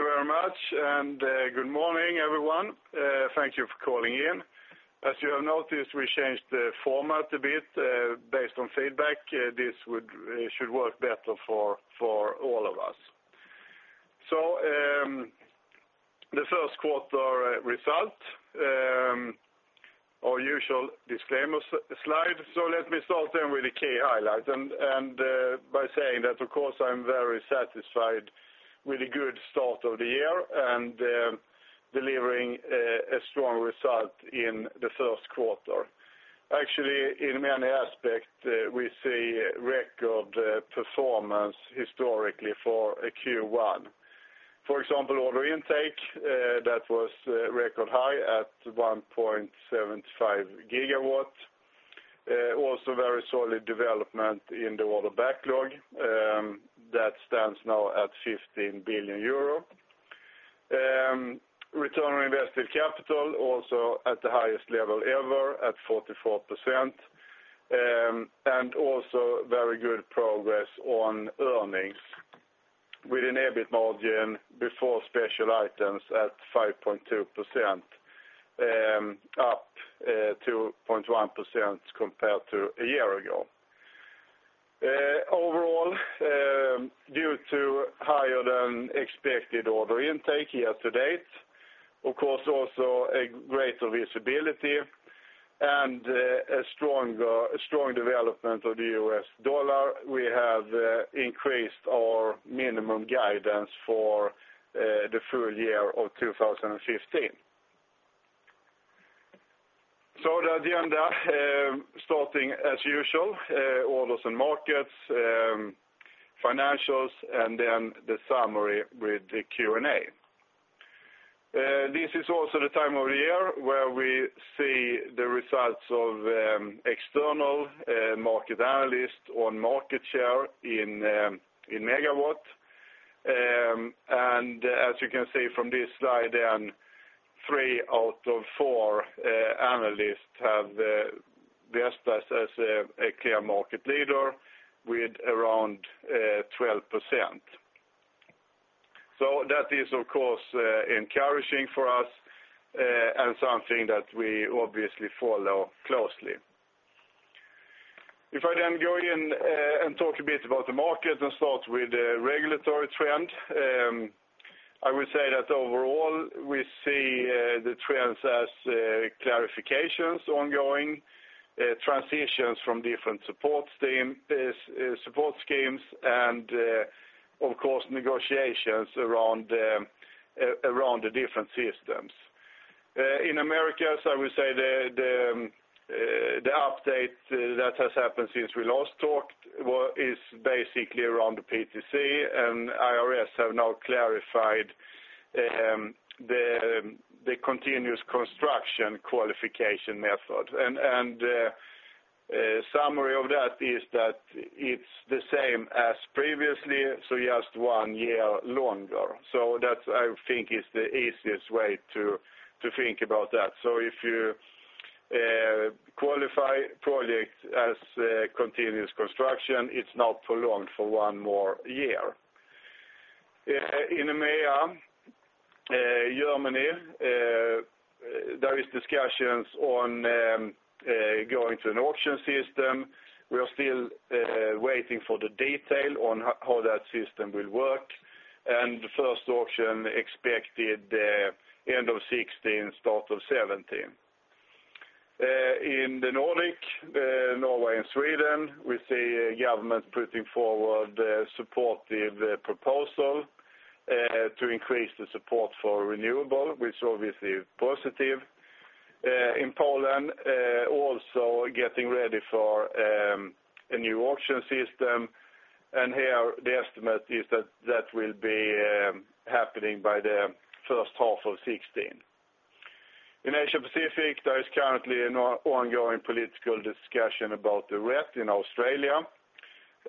Thank you very much. Good morning, everyone. Thank you for calling in. As you have noticed, we changed the format a bit based on feedback. This should work better for all of us. The first quarter result, our usual disclaimer slide. Let me start then with the key highlights and by saying that, of course, I am very satisfied with the good start of the year and delivering a strong result in the first quarter. Actually, in many aspects, we see record performance historically for a Q1. For example, order intake, that was record high at 1.75 gigawatts. Also very solid development in the order backlog. That stands now at 15 billion euro. Return on Invested Capital also at the highest level ever at 44%, and also very good progress on earnings with an EBIT margin before special items at 5.2%, up 2.1% compared to a year ago. Overall, due to higher than expected order intake year to date, of course, also a greater visibility and a strong development of the USD, we have increased our minimum guidance for the full year of 2015. The agenda, starting as usual, orders and markets, financials, and then the summary with the Q&A. This is also the time of year where we see the results of external market analysts on market share in megawatt. As you can see from this slide, three out of four analysts have Vestas as a clear market leader with around 12%. That is, of course, encouraging for us and something that we obviously follow closely. If I then go in and talk a bit about the market and start with the regulatory trend, I would say that overall we see the trends as clarifications ongoing, transitions from different support schemes, and of course, negotiations around the different systems. In Americas, I would say the update that has happened since we last talked is basically around the PTC, and the IRS has now clarified the continuous construction qualification method. A summary of that is that it is the same as previously, just one year longer. That, I think, is the easiest way to think about that. If you qualify a project as continuous construction, it is not prolonged for one more year. In EMEA, Germany, there are discussions ongoing to an auction system. We are still waiting for the detail on how that system will work, and the first auction expected end of 2016, start of 2017. In the Nordics, Norway and Sweden, we see government putting forward a supportive proposal to increase the support for renewable, which is obviously positive. In Poland, also getting ready for a new auction system, and here the estimate is that that will be happening by the first half of 2016. In Asia Pacific, there is currently an ongoing political discussion about the RET in Australia.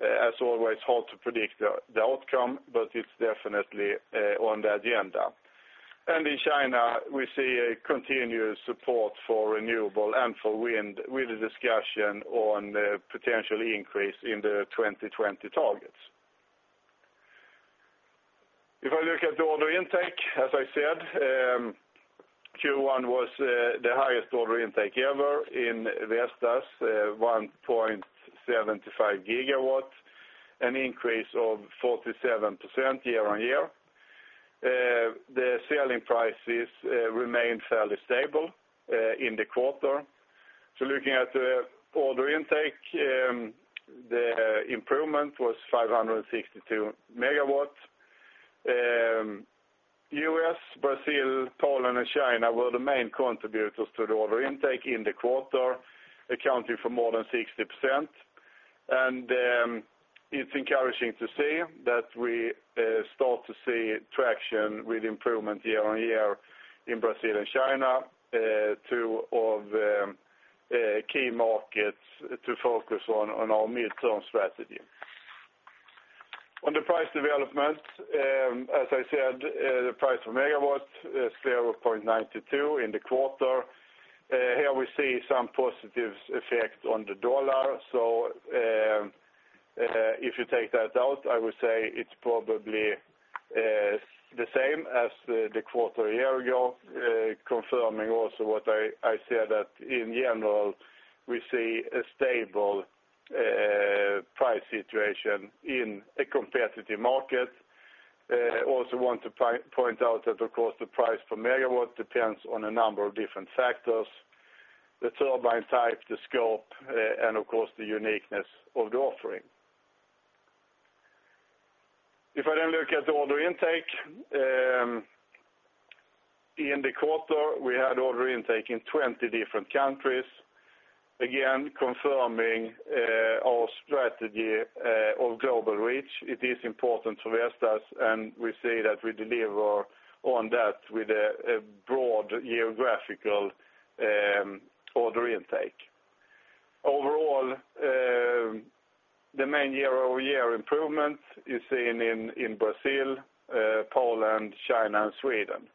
As always, hard to predict the outcome, but it is definitely on the agenda. In China, we see a continuous support for renewable and for wind with a discussion on potential increase in the 2020 targets. If I look at the order intake, as I said, Q1 was the highest order intake ever in Vestas, 1.75 gigawatts, an increase of 47% year-on-year. The selling prices remained fairly stable in the quarter. Looking at the order intake, the improvement was 562 megawatts. U.S., Brazil, Poland, and China were the main contributors to the order intake in the quarter, accounting for more than 60%. It is encouraging to see that we start to see traction with improvement year-on-year in Brazil and China, two of the key markets to focus on on our midterm strategy. On the price development, as I said, the price per megawatt is 0.92 in the quarter. Here we see some positive effect on the dollar. If you take that out, I would say it is probably the same as the quarter a year ago, confirming also what I said, that in general, we see a stable price situation in a competitive market. I also want to point out that, of course, the price per megawatt depends on a number of different factors, the turbine type, the scope, and of course, the uniqueness of the offering. If I then look at the order intake. In the quarter, we had order intake in 20 different countries, again, confirming our strategy of global reach. It is important to Vestas, and we see that we deliver on that with a broad geographical order intake. Overall, the main year-over-year improvement is seen in Brazil, Poland, China, and Sweden.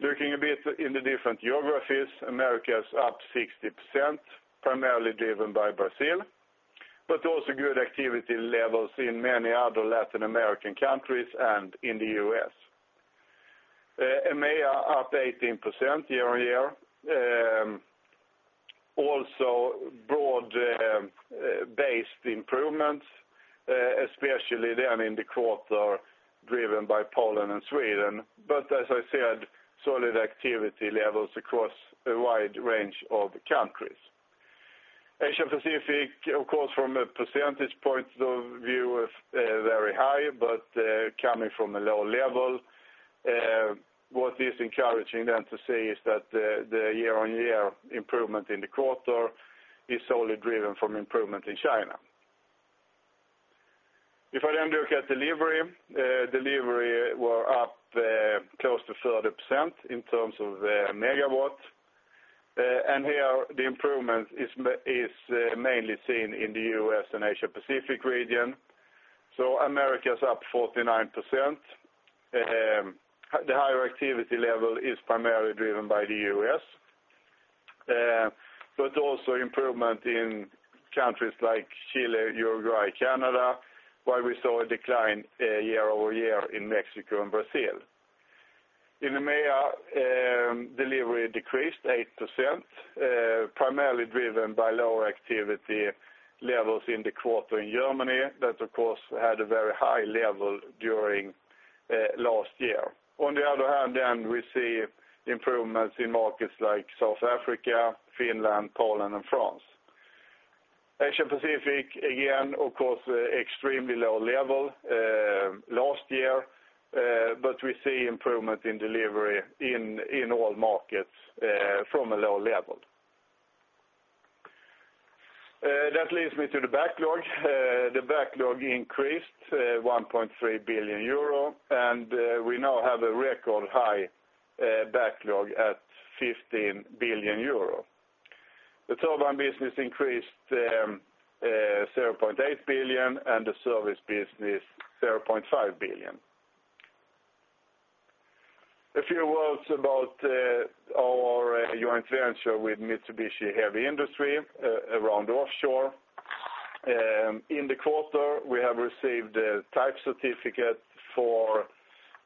Looking a bit in the different geographies, America is up 60%, primarily driven by Brazil, but also good activity levels in many other Latin American countries and in the U.S. EMEA up 18% year-on-year. Also broad-based improvements, especially then in the quarter, driven by Poland and Sweden. But as I said, solid activity levels across a wide range of countries. Asia-Pacific, of course, from a percentage point of view, is very high, but coming from a low level. What is encouraging then to say is that the year-on-year improvement in the quarter is solely driven from improvement in China. If I then look at delivery was up close to 30% in terms of megawatts. Here the improvement is mainly seen in the U.S. and Asia-Pacific region. America is up 49%. The higher activity level is primarily driven by the U.S., but also improvement in countries like Chile, Uruguay, Canada, while we saw a decline year-over-year in Mexico and Brazil. In EMEA, delivery decreased 8%, primarily driven by lower activity levels in the quarter in Germany. That, of course, had a very high level during last year. On the other hand, then we see improvements in markets like South Africa, Finland, Poland, and France. Asia-Pacific, again, of course, extremely low level last year, but we see improvement in delivery in all markets from a low level. That leads me to the backlog. The backlog increased 1.3 billion euro, and we now have a record high backlog at 15 billion euro. The turbine business increased to 0.8 billion and the service business, 0.5 billion. A few words about our joint venture with Mitsubishi Heavy Industries around offshore. In the quarter, we have received a type certificate for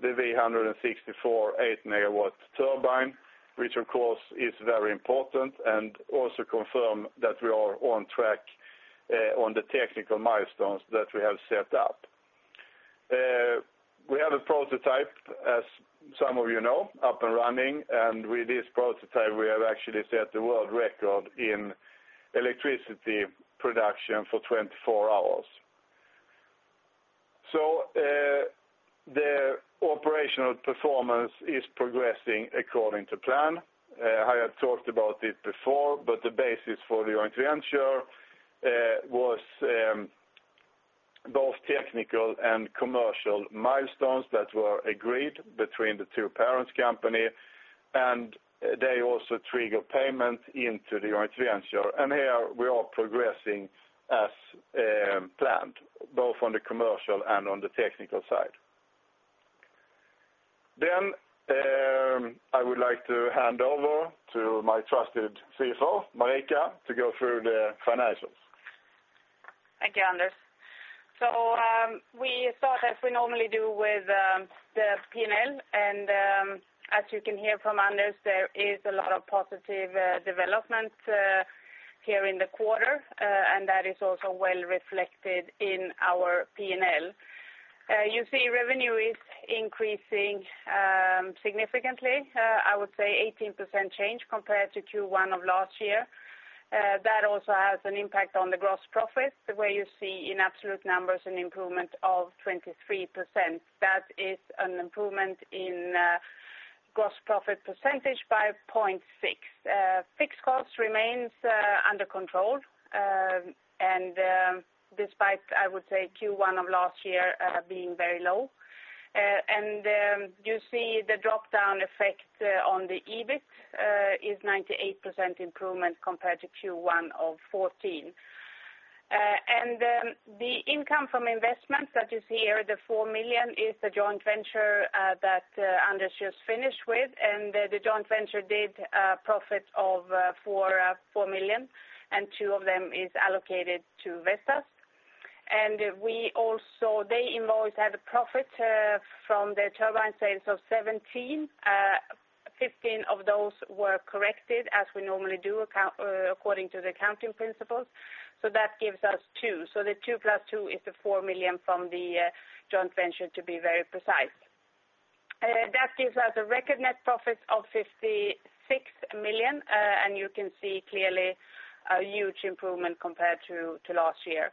the V164 8-megawatt turbine, which, of course, is very important, and also confirm that we are on track on the technical milestones that we have set up. We have a prototype, as some of you know, up and running, and with this prototype, we have actually set the world record in electricity production for 24 hours. The operational performance is progressing according to plan. I had talked about it before, but the basis for the joint venture was both technical and commercial milestones that were agreed between the two parent companies, and they also trigger payment into the joint venture. Here we are progressing as planned, both on the commercial and on the technical side. I would like to hand over to my trusted CFO, Marika, to go through the financials. Thank you, Anders. We start as we normally do with the P&L. As you can hear from Anders, there is a lot of positive development here in the quarter, and that is also well reflected in our P&L. You see revenue is increasing significantly. I would say 18% change compared to Q1 of last year. That also has an impact on the gross profit, where you see in absolute numbers an improvement of 23%. That is an improvement in gross profit percentage by 0.6. Fixed cost remains under control. Despite, I would say Q1 of last year being very low, you see the drop-down effect on the EBIT is 98% improvement compared to Q1 of 2014. The income from investments that is here, the 4 million, is the joint venture that Anders just finished with. The joint venture did a profit of 4 million, and 2 million of them is allocated to Vestas. They invoice at a profit from their turbine sales of 17, 15 of those were corrected as we normally do according to the accounting principles. That gives us two. The two plus two is the 4 million from the joint venture, to be very precise. That gives us a record net profit of 56 million, and you can see clearly a huge improvement compared to last year.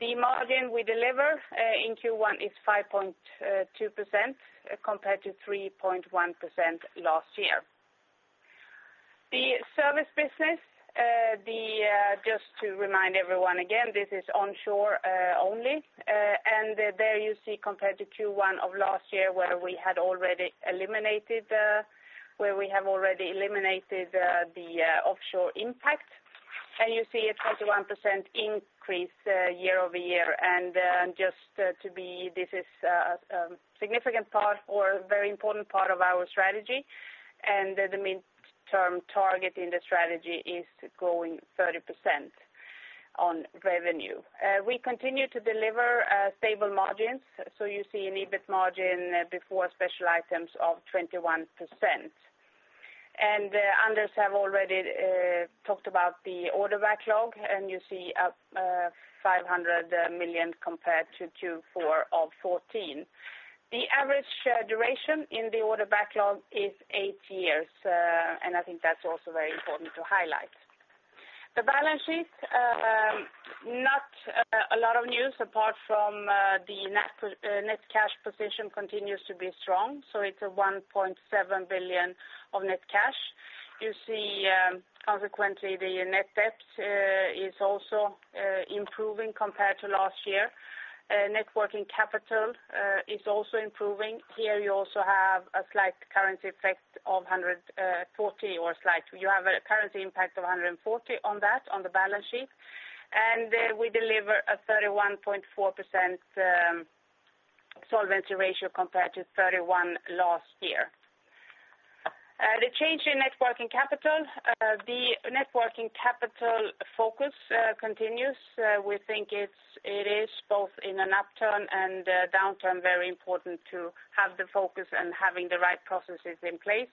The margin we deliver in Q1 is 5.2% compared to 3.1% last year. The service business, just to remind everyone again, this is onshore only. There you see compared to Q1 of last year, where we have already eliminated the offshore impact. You see a 21% increase year-over-year. This is a very important part of our strategy, and the mid-term target in the strategy is growing 30% on revenue. We continue to deliver stable margins. You see an EBIT margin before special items of 21%. Anders have already talked about the order backlog, and you see up 500 million compared to Q4 of 2014. The average duration in the order backlog is eight years, and I think that's also very important to highlight. The balance sheet, not a lot of news apart from the net cash position continues to be strong. It's 1.7 billion of net cash. You see, consequently, the net debt is also improving compared to last year. Net working capital is also improving. Here you also have a slight currency effect of 140 or slight. You have a currency impact of 140 on that, on the balance sheet, and we deliver a 31.4% solvency ratio compared to 31% last year. The change in net working capital. The net working capital focus continues. We think it is both in an upturn and downturn, very important to have the focus and having the right processes in place,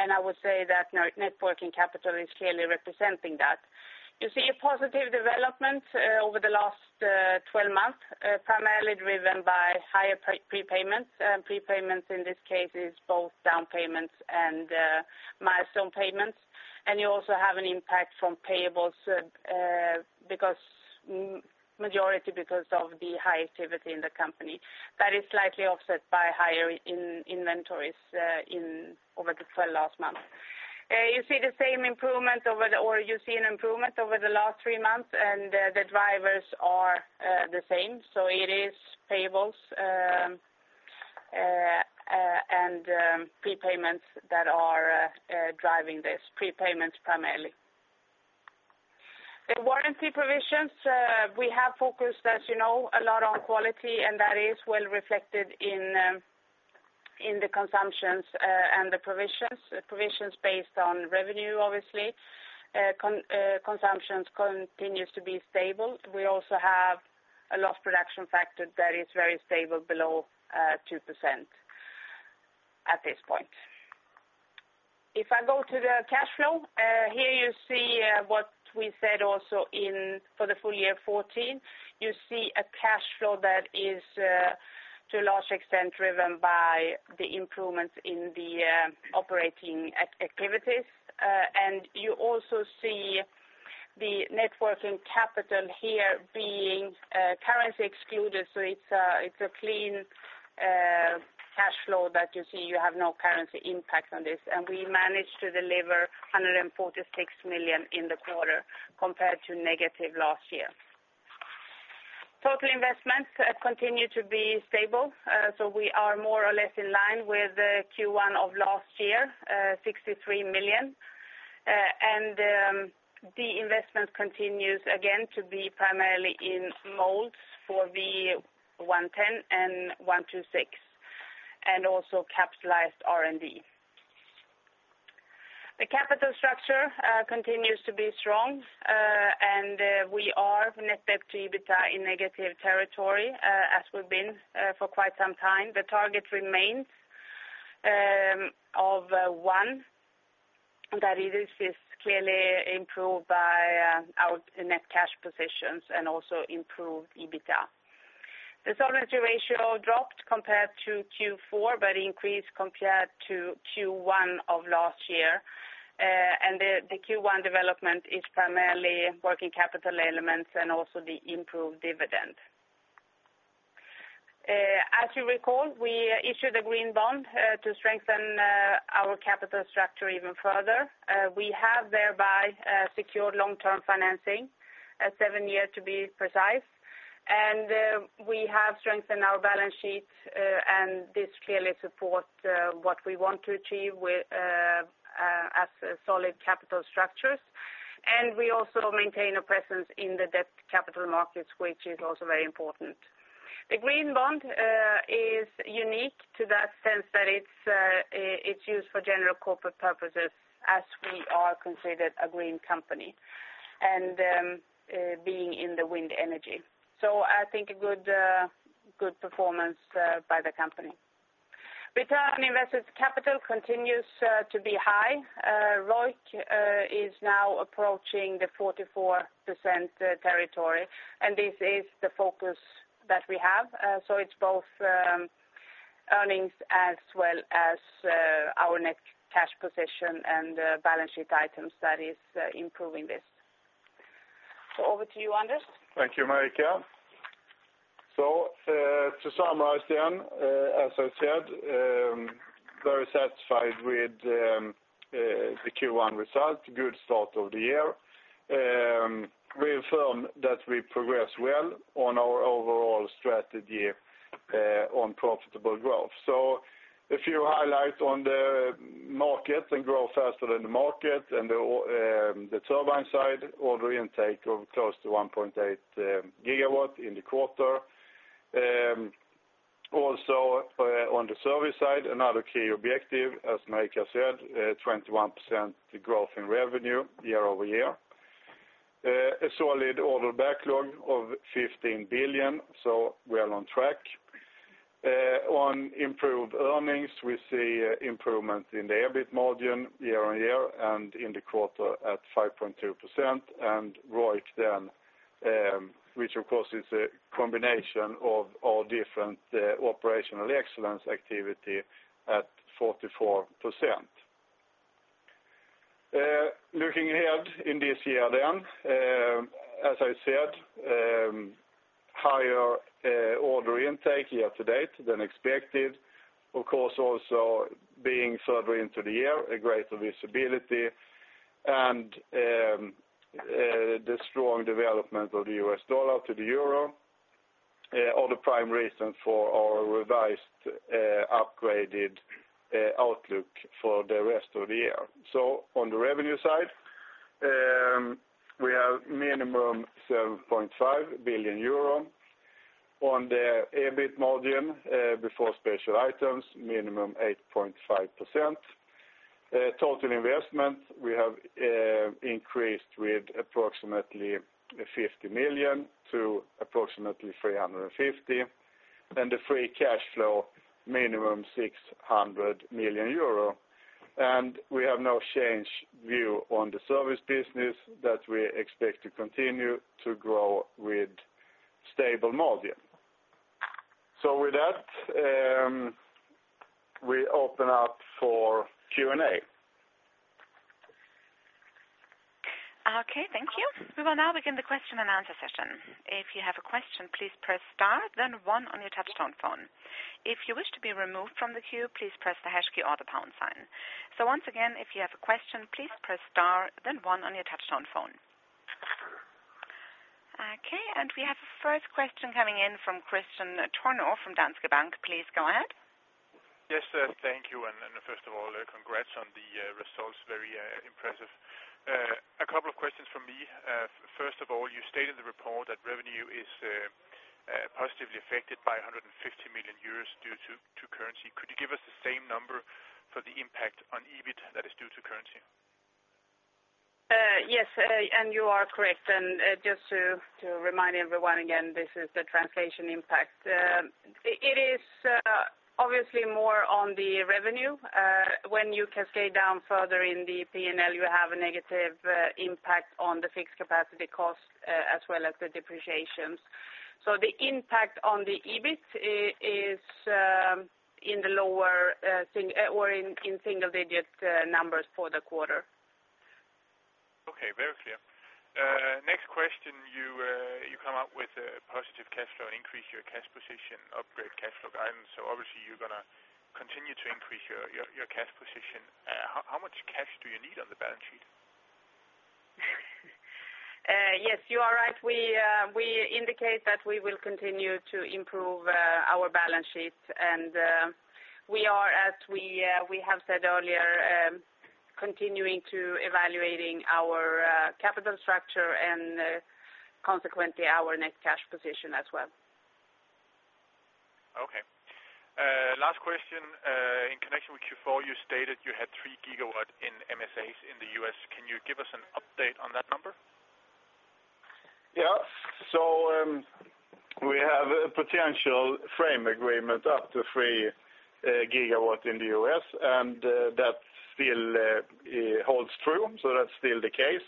and I would say that net working capital is clearly representing that. You see a positive development over the last 12 months, primarily driven by higher prepayments. Prepayments, in this case, is both down payments and milestone payments. You also have an impact from payables, majority because of the high activity in the company. That is slightly offset by higher inventories over the 12 last months. You see an improvement over the last three months, and the drivers are the same. It is payables and prepayments that are driving this. Prepayments, primarily. The warranty provisions, we have focused, as you know, a lot on quality, and that is well reflected in the consumptions and the provisions. Provisions based on revenue, obviously. Consumptions continues to be stable. We also have a production loss factor that is very stable below 2% at this point. If I go to the cash flow, here you see what we said also for the full year 2014. You see a cash flow that is to a large extent driven by the improvements in the operating activities. You also see the net working capital here being currency excluded, so it's a clean cash flow that you see you have no currency impact on this. We managed to deliver 146 million in the quarter compared to negative last year. Total investments continue to be stable. We are more or less in line with Q1 of last year, 63 million. The investment continues again to be primarily in molds for V110 and V126, and also capitalized R&D. The capital structure continues to be strong, and we are net debt to EBITDA in negative territory, as we've been for quite some time. The target remains of one, that is clearly improved by our net cash positions and also improved EBITDA. The solvency ratio dropped compared to Q4, but increased compared to Q1 of last year. The Q1 development is primarily working capital elements and also the improved dividend. As you recall, we issued a green bond to strengthen our capital structure even further. We have thereby secured long-term financing, seven years to be precise, and we have strengthened our balance sheet, and this clearly supports what we want to achieve as solid capital structures. We also maintain a presence in the debt capital markets, which is also very important. The green bond is unique to that sense that it's used for general corporate purposes as we are considered a green company, and being in the wind energy. I think a good performance by the company. Return on invested capital continues to be high. ROIC is now approaching the 44% territory, and this is the focus that we have. It's both earnings as well as our net cash position and balance sheet items that is improving this. Over to you, Anders. Thank you, Marika. To summarize, as I said, very satisfied with the Q1 result. Good start of the year. We affirm that we progress well on our overall strategy on profitable growth. A few highlights on the market and grow faster than the market and the turbine side order intake of close to 1.8 gigawatts in the quarter. Also on the service side, another key objective, as Marika said, 21% growth in revenue year-over-year. A solid order backlog of 15 billion, well on track. On improved earnings, we see improvement in the EBIT margin year on year and in the quarter at 5.2%, and ROIC, which of course is a combination of all different operational excellence activity at 44%. Looking ahead in this year, as I said, higher order intake year to date than expected. Of course, also being further into the year, a greater visibility, and the strong development of the US dollar to the EUR, are the prime reasons for our revised upgraded outlook for the rest of the year. On the revenue side, we have minimum 7.5 billion euro. On the EBIT margin before special items, minimum 8.5%. Total investment, we have increased with approximately 50 million to approximately 350 million. The free cash flow, minimum 600 million euro. We have no change view on the service business that we expect to continue to grow with stable margin. With that, we open up for Q&A. Okay, thank you. We will now begin the question and answer session. If you have a question, please press star then one on your touch-tone phone. If you wish to be removed from the queue, please press the hash key or the pound sign. Once again, if you have a question, please press star then one on your touch-tone phone. We have the first question coming in from Kristian Tornøe from Danske Bank. Please go ahead. Yes, thank you. First of all, congrats on the results, very impressive. A couple of questions from me. First of all, you stated in the report that revenue is positively affected by 150 million euros due to currency. Could you give us the same number for the impact on EBIT that is due to currency? Yes, you are correct. Just to remind everyone again, this is the translation impact. It is obviously more on the revenue. When you cascade down further in the P&L, you have a negative impact on the fixed capacity cost, as well as the depreciations. The impact on the EBIT is in single-digit numbers for the quarter. Okay, very clear. Next question, you come up with a positive cash flow, increase your cash position, upgrade cash flow guidance. Obviously you're going to continue to increase your cash position. How much cash do you need on the balance sheet? Yes, you are right. We indicate that we will continue to improve our balance sheet, we are, as we have said earlier, continuing to evaluating our capital structure and consequently our net cash position as well. Okay. Last question, in connection with Q4, you stated you had three gigawatts in MSAs in the U.S. Can you give us an update on that number? Yeah. We have a potential frame agreement up to 3 GW in the U.S., that still holds true. That's still the case.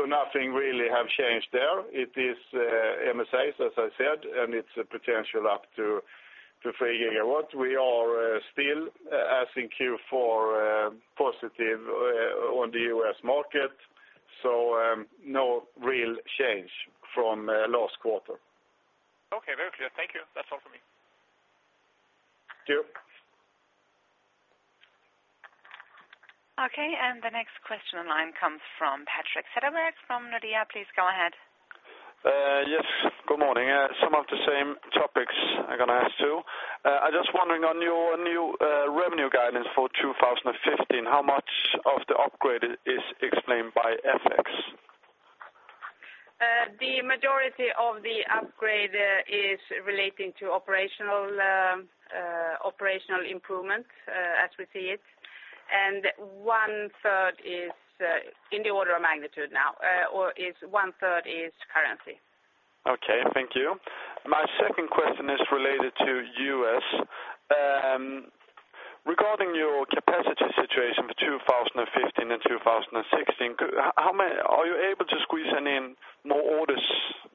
Nothing really have changed there. It is MSAs, as I said, and it's a potential up to 3 GW. We are still, as in Q4, positive on the U.S. market, no real change from last quarter. Okay, very clear. Thank you. That's all for me. Thank you. Okay, the next question on line comes from Patrick Setterberg from Nordea. Please go ahead. Yes, good morning. Some of the same topics I'm going to ask, too. I just wondering on your Revenue guidance for 2015, how much of the upgrade is explained by FX? The majority of the upgrade is relating to operational improvement, as we see it. One-third is in the order of magnitude now, or one-third is currency. Okay, thank you. My second question is related to U.S. Regarding your capacity situation for 2015 and 2016, are you able to squeeze any more orders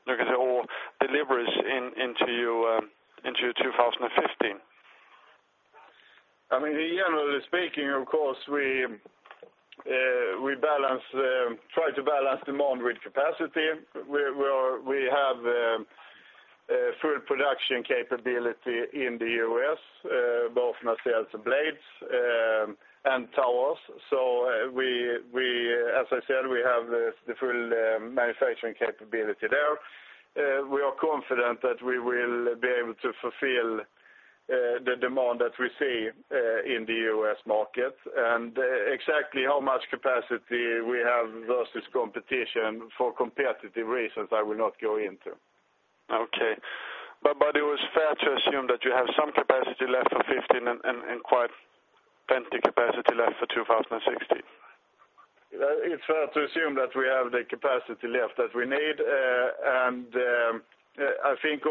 or deliveries into 2015? Generally speaking, of course, we try to balance demand with capacity. We have full production capability in the U.S., both nacelles and blades, and towers. As I said, we have the full manufacturing capability there. We are confident that we will be able to fulfill the demand that we see in the U.S. market. Exactly how much capacity we have versus competition, for competitive reasons, I will not go into. Okay. It was fair to assume that you have some capacity left for 2015 and quite plenty capacity left for 2016? It's fair to assume that we have the capacity left that we need. I think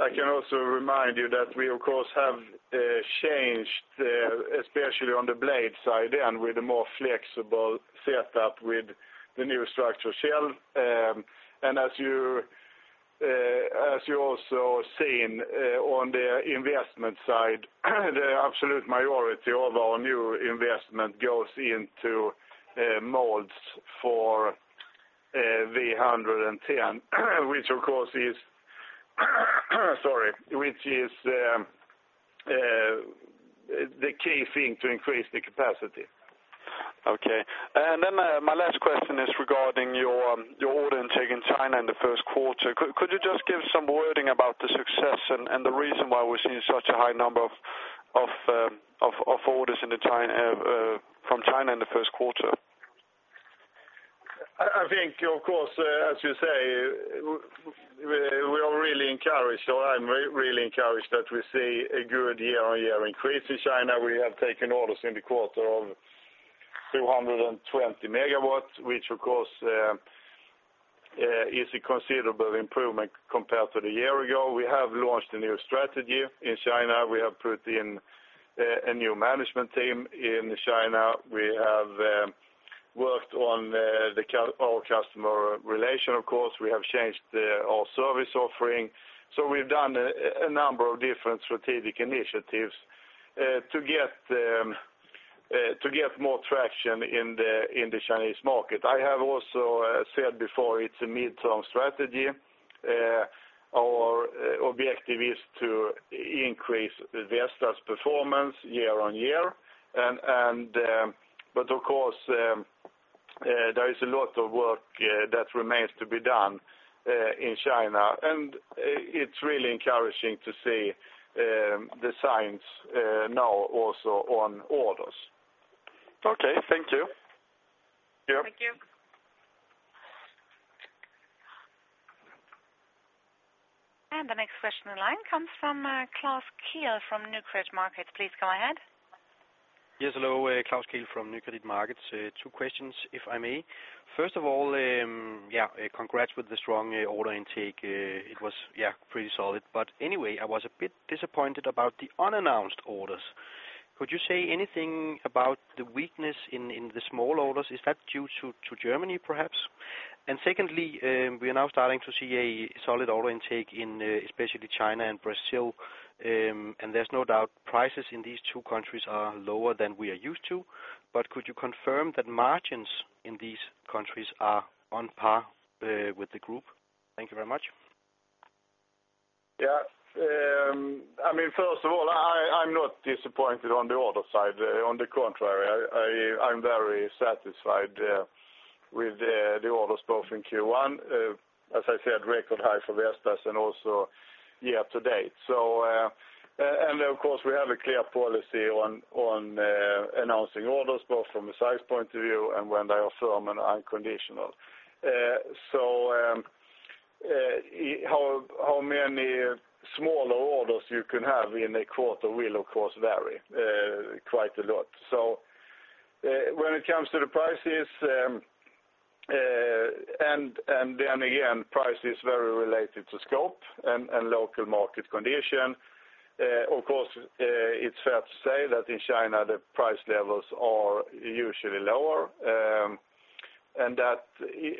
I can also remind you that we, of course, have changed, especially on the blade side and with a more flexible setup with the new structure shell. As you're also seeing on the investment side, the absolute majority of our new investment goes into molds for V110, which of course is the key thing to increase the capacity. Okay. My last question is regarding your order intake in China in the first quarter. Could you just give some wording about the success and the reason why we're seeing such a high number of orders from China in the first quarter? I think, of course, as you say, we are really encouraged, or I'm really encouraged that we see a good year-on-year increase in China. We have taken orders in the quarter of 220 megawatts, which of course, is a considerable improvement compared to the year ago. We have launched a new strategy in China. We have put in a new management team in China. We have worked on all customer relation, of course. We have changed our service offering. We've done a number of different strategic initiatives to get more traction in the Chinese market. I have also said before, it's a mid-term strategy. Our objective is to increase Vestas' performance year-on-year. Of course, there is a lot of work that remains to be done in China, and it's really encouraging to see the signs now also on orders. Okay, thank you. Yeah. Thank you. The next question in line comes from Klaus Kehl from Nykredit Markets. Please go ahead. Yes, hello, Klaus Kehl from Nykredit Markets. Two questions, if I may. First of all, yeah, congrats with the strong order intake. It was, yeah, pretty solid. Anyway, I was a bit disappointed about the unannounced orders. Could you say anything about the weakness in the small orders? Is that due to Germany perhaps? Secondly, we are now starting to see a solid order intake in especially China and Brazil, and there's no doubt prices in these two countries are lower than we are used to. Could you confirm that margins in these countries are on par with the group? Thank you very much. Yeah. First of all, I'm not disappointed on the order side. On the contrary, I'm very satisfied with the orders both in Q1, as I said, record high for Vestas and also year to date. Of course, we have a clear policy on announcing orders, both from a size point of view and when they are firm and unconditional. How many smaller orders you can have in a quarter will, of course, vary quite a lot. When it comes to the prices, and then again, price is very related to scope and local market condition. Of course, it is fair to say that in China, the price levels are usually lower,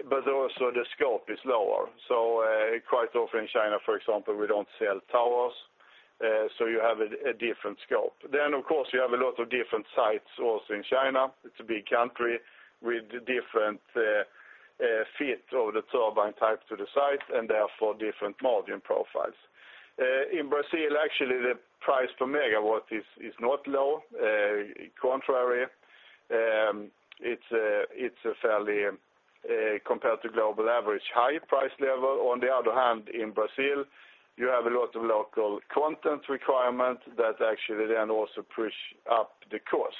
but also the scope is lower. Quite often in China, for example, we don't sell towers, so you have a different scope. Of course, you have a lot of different sites also in China. It's a big country with different fit of the turbine type to the site, and therefore different margin profiles. In Brazil, actually, the price per megawatt is not low, contrary. It's a fairly, compared to global average, high price level. On the other hand, in Brazil, you have a lot of local content requirements that actually then also push up the cost.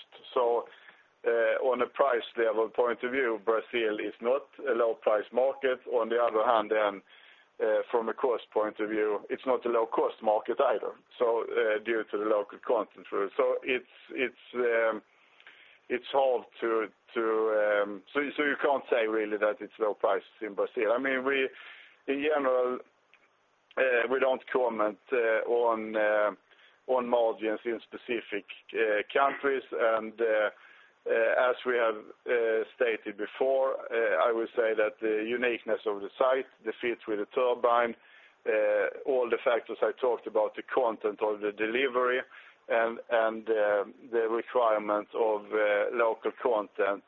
On a price level point of view, Brazil is not a low price market. On the other hand, then, from a cost point of view, it's not a low-cost market either, due to the local content rule. You can't say really that it's low price in Brazil. In general, we don't comment on margins in specific countries. As we have stated before, I would say that the uniqueness of the site, the fit with the turbine, all the factors I talked about, the content of the delivery, and the requirement of local content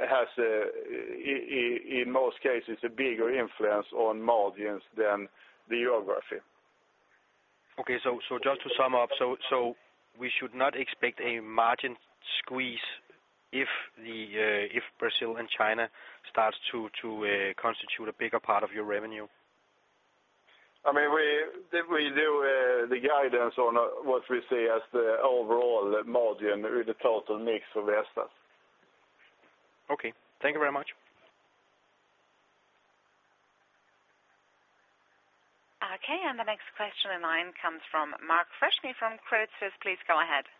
has, in most cases, a bigger influence on margins than the geography. Okay. Just to sum up, we should not expect a margin squeeze if Brazil and China starts to constitute a bigger part of your revenue? We do the guidance on what we see as the overall margin with the total mix of Vestas. Okay. Thank you very much. Okay, the next question in line comes from Mark Freshney from Credit Suisse. Please go ahead. Hello,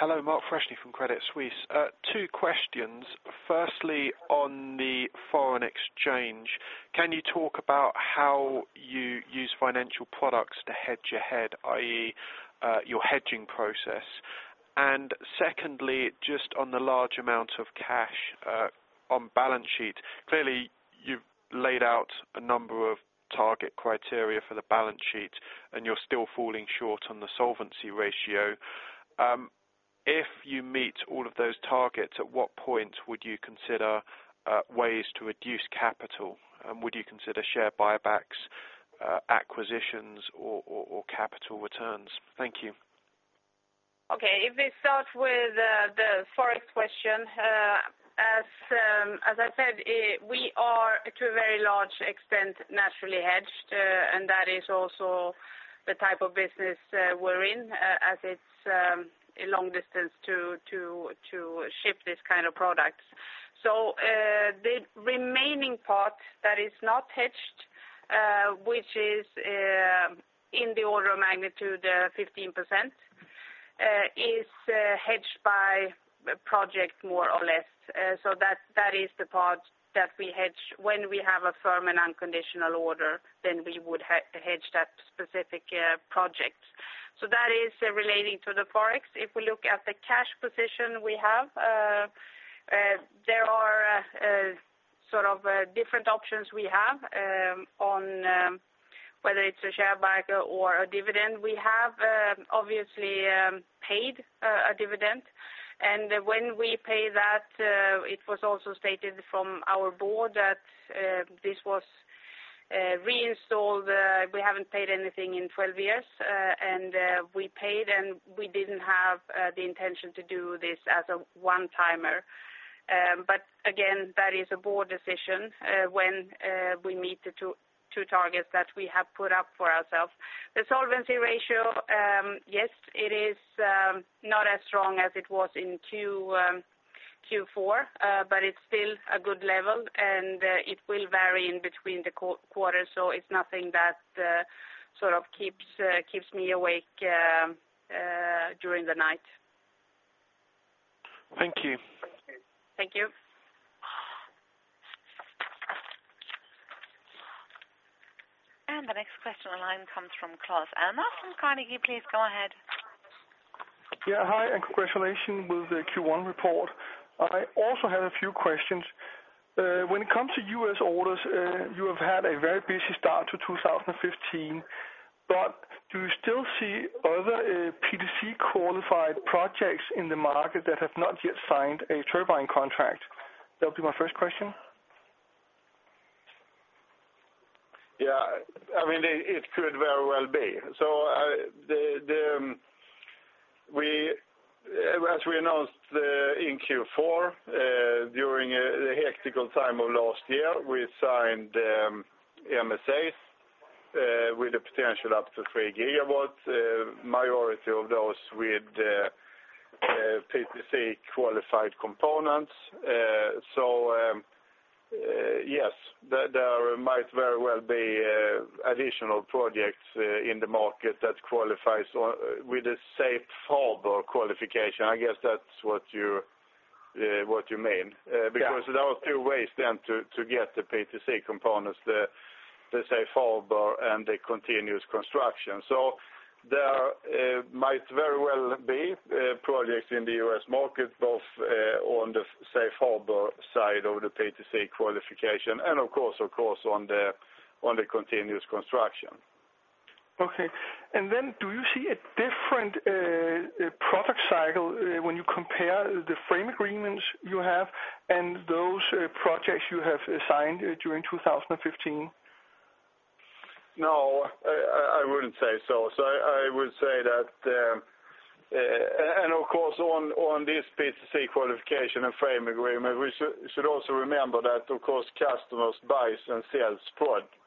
Mark Freshney from Credit Suisse. Two questions. Firstly, on the foreign exchange, can you talk about how you use financial products to hedge ahead, i.e., your hedging process? Secondly, just on the large amount of cash on balance sheet, clearly you've laid out a number of target criteria for the balance sheet, and you're still falling short on the solvency ratio. If you meet all of those targets, at what point would you consider ways to reduce capital? Would you consider share buybacks, acquisitions, or capital returns? Thank you. Okay. If we start with the Forex question, as I said, we are, to a very large extent, naturally hedged, and that is also the type of business we're in, as it's a long distance to ship this kind of product. The remaining part that is not hedged, which is in the order of magnitude 15%, is hedged by project, more or less. That is the part that we hedge when we have a firm and unconditional order, then we would hedge that specific project. That is relating to the Forex. If we look at the cash position we have, there are sort of different options we have on whether it's a share buyback or a dividend. We have, obviously, paid a dividend. When we pay that, it was also stated from our board that this was reinstalled. We haven't paid anything in 12 years. We paid, and we didn't have the intention to do this as a one-timer. Again, that is a board decision when we meet the two targets that we have put up for ourselves. The solvency ratio, yes, it is not as strong as it was in Q4, but it's still a good level, and it will vary in between the quarters. It's nothing that sort of keeps me awake during the night. Thank you. Thank you. The next question in line comes from Claus Almer, Carnegie. Please go ahead. Yeah. Hi, congratulations with the Q1 report. I also have a few questions. When it comes to U.S. orders, you have had a very busy start to 2015. Do you still see other PTC-qualified projects in the market that have not yet signed a turbine contract? That would be my first question. Yeah. It could very well be. As we announced in Q4, during the hectic time of last year, we signed MSAs with the potential up to three gigawatts, majority of those with PTC-qualified components. Yes, there might very well be additional projects in the market that qualifies with a safe harbor qualification. I guess that's what you mean. Yeah. There are two ways then to get the PTC components, the safe harbor and the continuous construction. There might very well be projects in the U.S. market, both on the safe harbor side of the PTC qualification and, of course, on the continuous construction. Okay. Do you see a different product cycle when you compare the frame agreements you have and those projects you have signed during 2015? No, I wouldn't say so. Of course, on this PTC qualification and frame agreement, we should also remember that, of course, customers buy and sell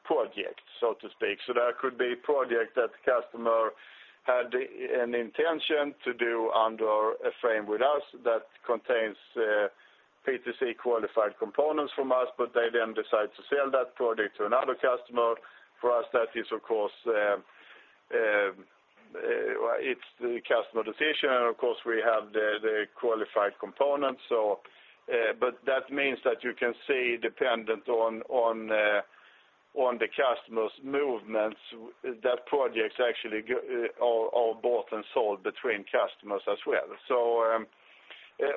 projects, so to speak. That could be a project that the customer had an intention to do under a frame with us that contains PTC-qualified components from us, but they then decide to sell that project to another customer. For us, that is of course the customer decision, and of course, we have the qualified components. That means that you can say, dependent on the customer's movements, that projects actually are bought and sold between customers as well.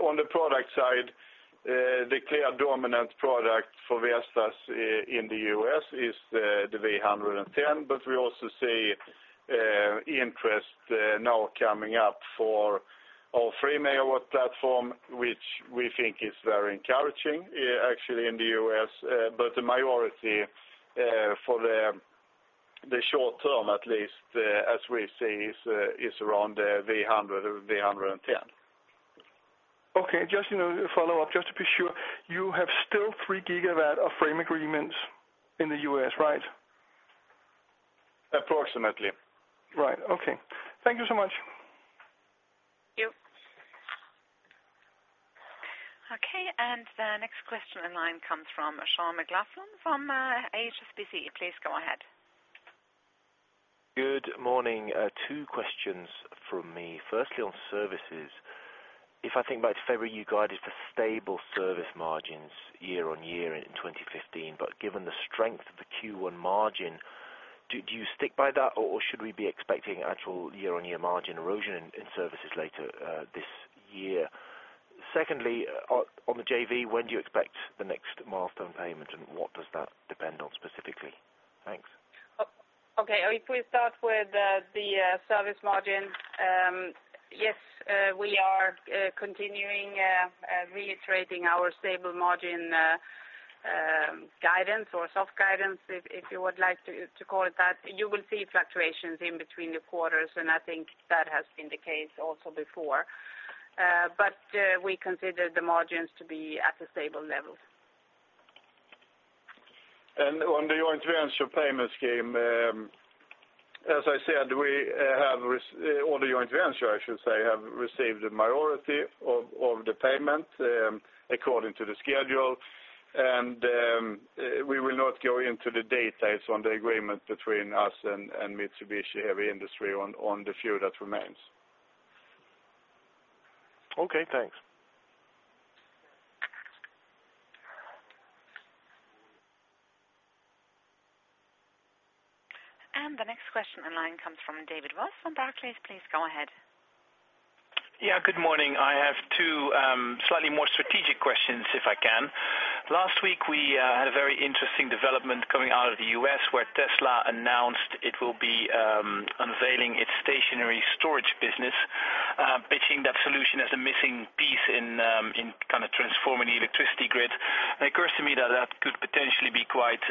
On the product side, the clear dominant product for Vestas in the U.S. is the V110, but we also see interest now coming up for our three-megawatt platform, which we think is very encouraging, actually, in the U.S. The majority for the short term, at least, as we see, is around the V100 or V110. Okay. Just to follow up, just to be sure, you have still three gigawatt of frame agreements in the U.S., right? Approximately. Right. Okay. Thank you so much. Thank you. Okay, the next question in line comes from Sean McLoughlin from HSBC. Please go ahead. Good morning. Two questions from me. Firstly, on services. If I think back to February, you guided for stable service margins year-on-year in 2015. Given the strength of the Q1 margin, do you stick by that, or should we be expecting actual year-on-year margin erosion in services later this year? Secondly, on the JV, when do you expect the next milestone payment, and what does that depend on specifically? Thanks. Okay, if we start with the service margin. Yes, we are continuing reiterating our stable margin guidance or soft guidance, if you would like to call it that. You will see fluctuations in between the quarters, I think that has been the case also before. We consider the margins to be at a stable level. On the joint venture payment scheme, as I said, or the joint venture, I should say, have received a majority of the payment according to the schedule. We will not go into the details on the agreement between us and Mitsubishi Heavy Industries on the few that remains. Okay, thanks. The next question in line comes from David Vos from Barclays. Please go ahead. Yeah, good morning. I have two slightly more strategic questions, if I can. Last week, we had a very interesting development coming out of the U.S., where Tesla announced it will be unveiling its stationary storage business, pitching that solution as a missing piece in transforming the electricity grid. It occurs to me that that could potentially be quite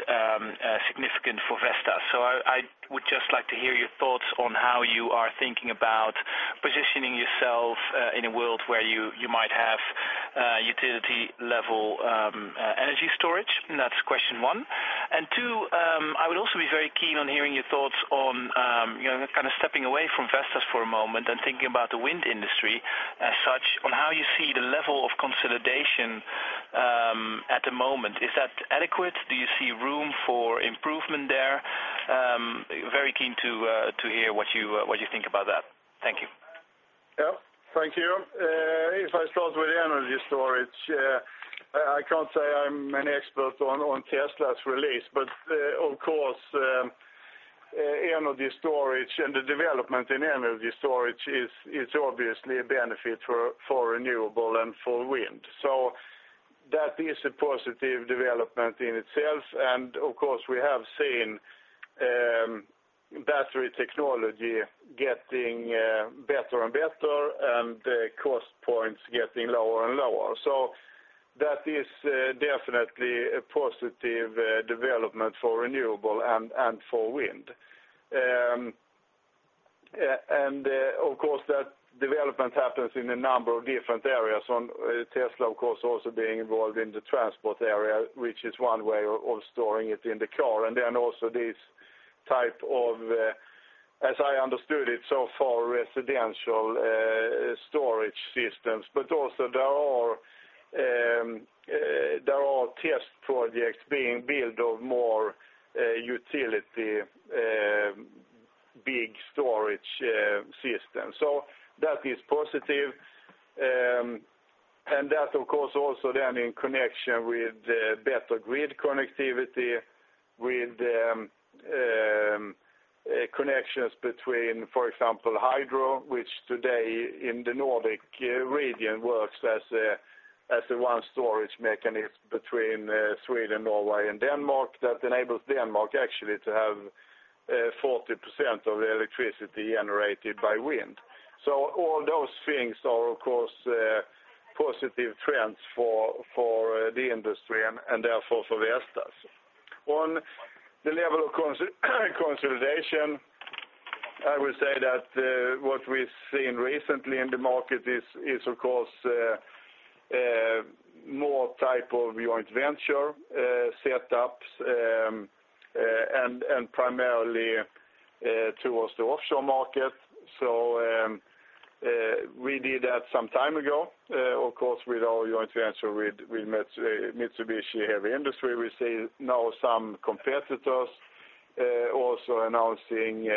significant for Vestas. I would just like to hear your thoughts on how you are thinking about positioning yourself in a world where you might have utility-level energy storage, and that's question one. Two, I would also be very keen on hearing your thoughts on, kind of stepping away from Vestas for a moment and thinking about the wind industry as such, on how you see the level of consolidation at the moment. Is that adequate? Do you see room for improvement there? Very keen to hear what you think about that. Thank you. Yeah. Thank you. If I start with energy storage, I can't say I'm an expert on Tesla's release, but of course, energy storage and the development in energy storage is obviously a benefit for renewable and for wind. That is a positive development in itself. Of course, we have seen battery technology getting better and better and the cost points getting lower and lower. That is definitely a positive development for renewable and for wind. Of course, that development happens in a number of different areas. Tesla, of course, also being involved in the transport area, which is one way of storing it in the car. Then also this type of, as I understood it so far, residential storage systems. Also there are test projects being built of more utility, big storage systems. That is positive. That, of course, also then in connection with better grid connectivity, with connections between, for example, hydro, which today in the Nordic region works as one storage mechanism between Sweden, Norway and Denmark that enables Denmark actually to have 40% of the electricity generated by wind. All those things are, of course, positive trends for the industry and therefore for Vestas. On the level of consolidation, I would say that what we've seen recently in the market is, of course, more type of joint venture setups and primarily towards the offshore market. We did that some time ago, of course, with our joint venture with Mitsubishi Heavy Industries. We see now some competitors also announcing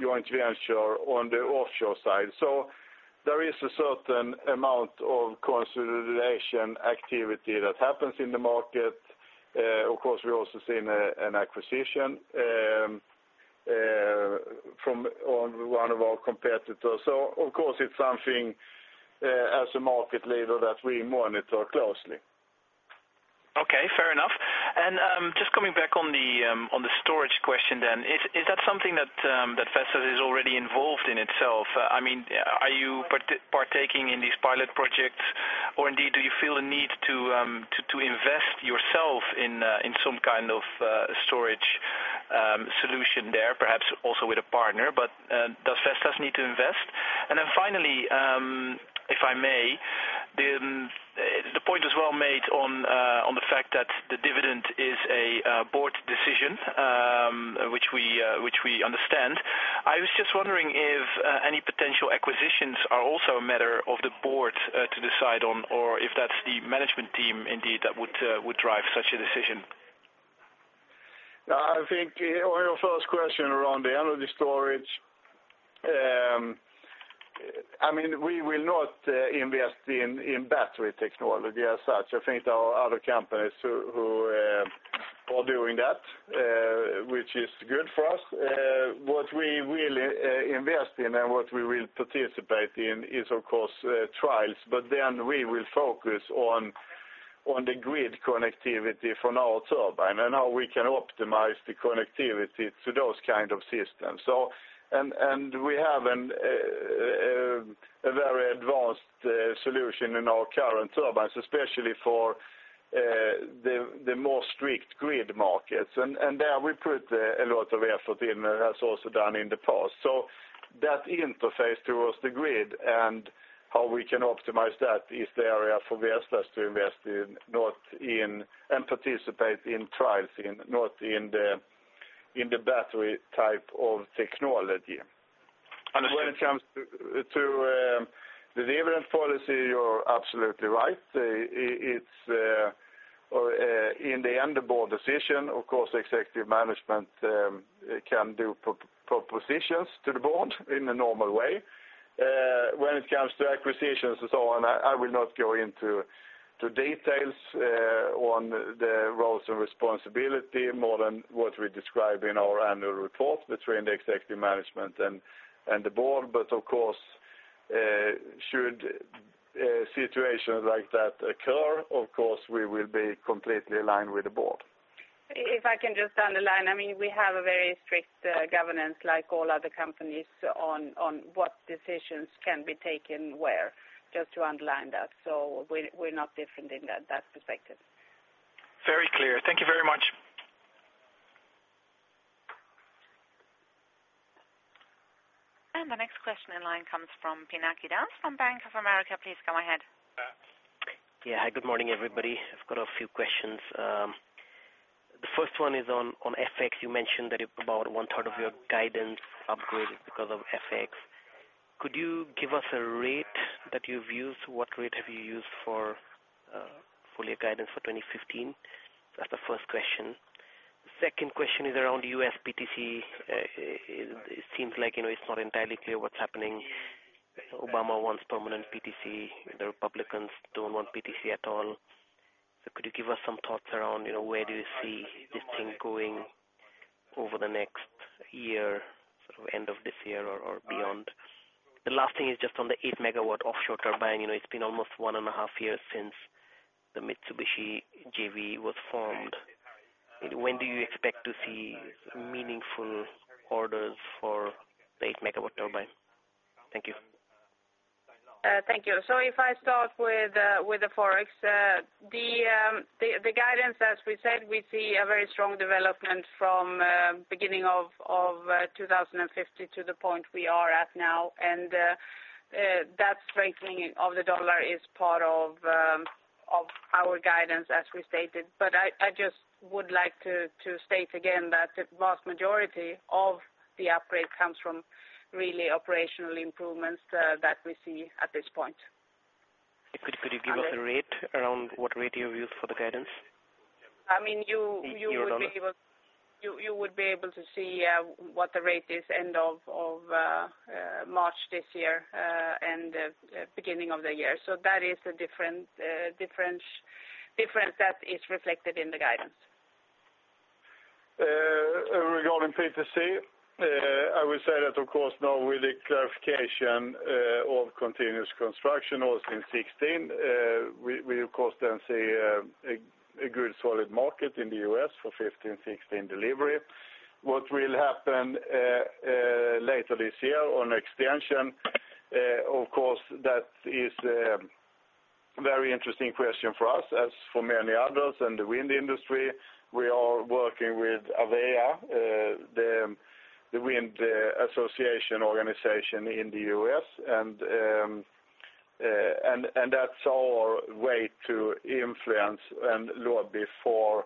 joint venture on the offshore side. There is a certain amount of consolidation activity that happens in the market. Of course, we're also seeing an acquisition from one of our competitors. Of course, it's something as a market leader that we monitor closely. Okay, fair enough. Just coming back on the storage question then, is that something that Vestas is already involved in itself? Are you partaking in these pilot projects or indeed, do you feel a need to invest yourself in some kind of storage solution there, perhaps also with a partner, but does Vestas need to invest? Then finally, if I may, the point is well made on the fact that the dividend is a board decision, which we understand. I was just wondering if any potential acquisitions are also a matter of the board to decide on or if that's the management team indeed that would drive such a decision. I think on your first question around the energy storage, we will not invest in battery technology as such. I think there are other companies who are doing that, which is good for us. What we will invest in and what we will participate in is, of course, trials, we will focus on the grid connectivity for now also, how we can optimize the connectivity to those kind of systems. We have a very advanced solution in our current turbines, especially for the more strict grid markets. There we put a lot of effort in, as also done in the past. That interface towards the grid and how we can optimize that is the area for Vestas to invest in and participate in trials, not in the battery type of technology. Understood. When it comes to the dividend policy, you're absolutely right. It's, in the end, a board decision. Of course, executive management can do propositions to the board in a normal way. When it comes to acquisitions and so on, I will not go into the details on the roles and responsibility more than what we describe in our annual report between the executive management and the board. Of course, should a situation like that occur, of course, we will be completely aligned with the board. If I can just underline, we have a very strict governance like all other companies on what decisions can be taken where, just to underline that. We're not different in that perspective. Very clear. Thank you very much. The next question in line comes from Pinaki Das from Bank of America. Please go ahead. Hi, good morning, everybody. I've got a few questions. The first one is on FX. You mentioned that about one-third of your guidance upgrade is because of FX. Could you give us a rate that you've used? What rate have you used for full-year guidance for 2015? That's the first question. Second question is around U.S. PTC. It seems like it's not entirely clear what's happening. Obama wants permanent PTC, the Republicans don't want PTC at all. Could you give us some thoughts around where do you see this thing going over the next year, sort of end of this year or beyond? The last thing is just on the eight-megawatt offshore turbine. It's been almost one and a half years since the Mitsubishi JV was formed. When do you expect to see meaningful orders for the eight-megawatt turbine? Thank you. Thank you. If I start with the Forex, the guidance, as we said, we see a very strong development from beginning of 2015 to the point we are at now. That strengthening of the U.S. dollar is part of our guidance as we stated. I just would like to state again that the vast majority of the upgrade comes from really operational improvements that we see at this point. Could you give us a rate around what rate you have used for the guidance? You would be able In U.S. dollar. You would be able to see what the rate is end of March this year, and the beginning of the year. That is a difference that is reflected in the guidance. Regarding PTC, I would say that of course, now with the clarification of continuous construction, all since 2016. We of course then see a good solid market in the U.S. for 2015, 2016 delivery. What will happen later this year on extension, of course, that is a very interesting question for us as for many others in the wind industry. We are working with AWEA, the wind association organization in the U.S., and that's our way to influence and lobby for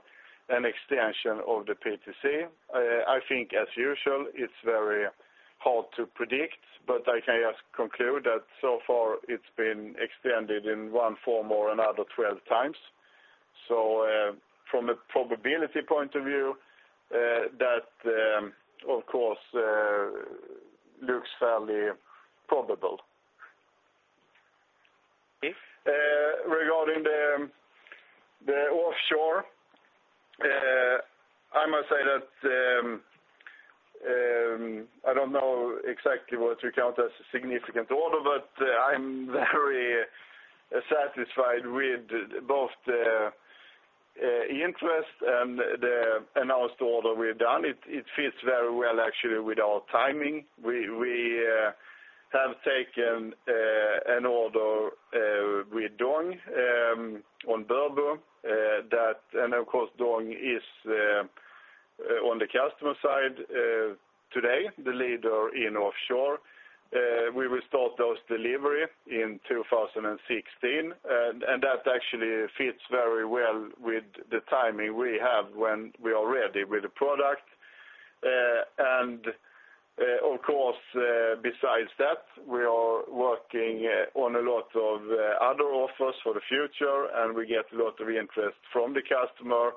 an extension of the PTC. I think as usual, it's very hard to predict, but I can just conclude that so far it's been extended in one form or another 12 times. From a probability point of view, that, of course, looks fairly probable. Okay. Regarding the offshore, I must say that I don't know exactly what to count as a significant order, but I'm very satisfied with both the interest and the announced order we've done. It fits very well, actually, with our timing. We have taken an order with Dong on Burbo, and of course, Dong is, on the customer side today, the leader in offshore. We will start those delivery in 2016, and that actually fits very well with the timing we have when we are ready with the product. Of course, besides that, we are working on a lot of other offers for the future, and we get a lot of interest from the customer.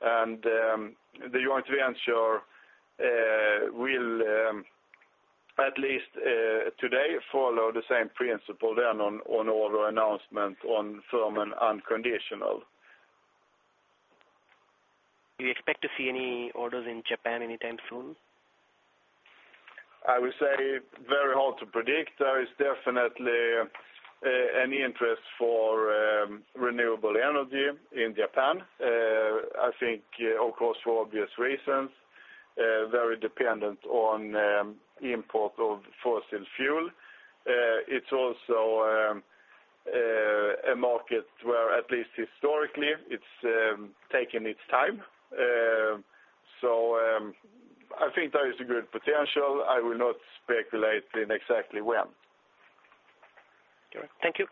The joint venture will at least today follow the same principle then on order announcement on firm and unconditional. Do you expect to see any orders in Japan anytime soon? I would say very hard to predict. There is definitely an interest for renewable energy in Japan. I think, of course, for obvious reasons, very dependent on import of fossil fuel. It's also a market where, at least historically, it's taken its time. I think there is a good potential. I will not speculate in exactly when. Okay. Thank you.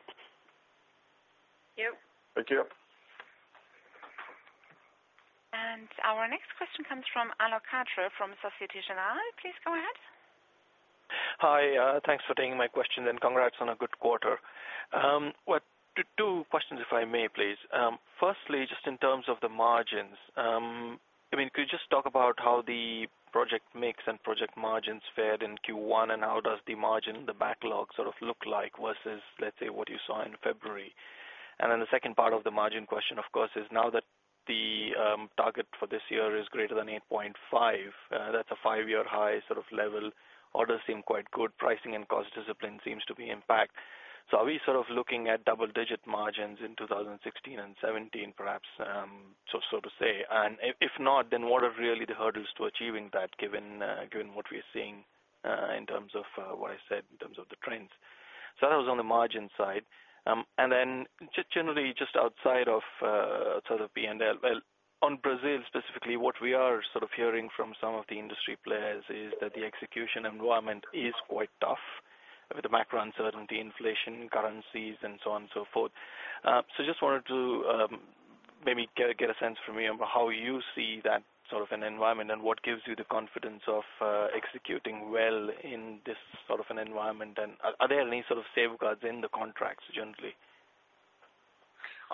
Thank you. Thank you. Our next question comes from Alok Katre from Société Générale. Please go ahead. Hi, thanks for taking my question and congrats on a good quarter. Two questions, if I may please. Firstly, just in terms of the margins. Could you just talk about how the project mix and project margins fared in Q1, and how does the margin in the backlog look like versus, let's say, what you saw in February? The second part of the margin question, of course, is now that the target for this year is greater than 8.5, that's a five-year high level. Orders seem quite good. Pricing and cost discipline seems to be impact. Are we looking at double-digit margins in 2016 and 2017, perhaps, so to say? If not, then what are really the hurdles to achieving that, given what we're seeing in terms of what I said, in terms of the trends? That was on the margin side. Generally, just outside of BNDES. Well, on Brazil specifically, what we are hearing from some of the industry players is that the execution environment is quite tough with the macro uncertainty, inflation, currencies, and so on and so forth. Just wanted to maybe get a sense from you on how you see that sort of an environment and what gives you the confidence of executing well in this sort of an environment, and are there any sort of safeguards in the contracts generally?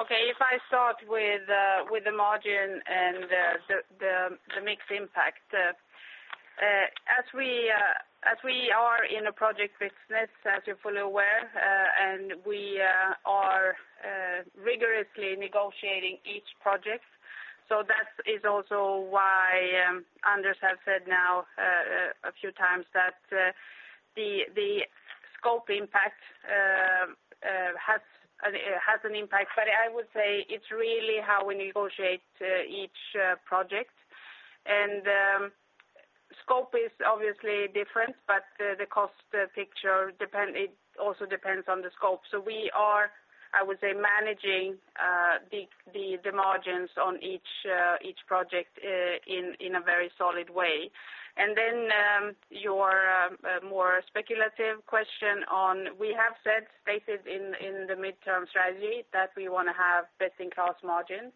Okay. If I start with the margin and the mix impact. As we are in a project business, as you're fully aware, and we are rigorously negotiating each project. That is also why Anders has said now a few times that the scope impact has an impact, but I would say it's really how we negotiate each project. Scope is obviously different, but the cost picture also depends on the scope. We are, I would say, managing the margins on each project in a very solid way. Your more speculative question on, we have said bases in the midterm strategy that we want to have best-in-class margin.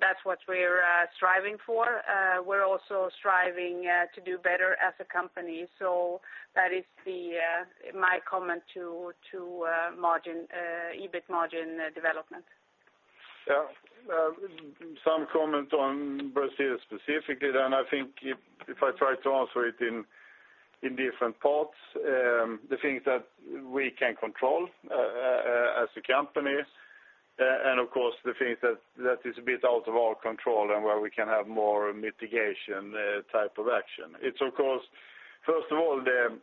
That's what we're striving for. We're also striving to do better as a company. That is my comment to EBIT margin development. Yeah. Some comment on Brazil specifically. I think if I try to answer it in different parts, the things that we can control as a company. Of course, the things that is a bit out of our control and where we can have more mitigation type of action. It's, of course, first of all, the